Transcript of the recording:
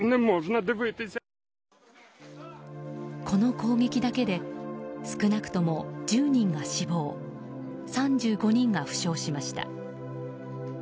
この攻撃だけで少なくとも１０人が死亡３５人が負傷しました。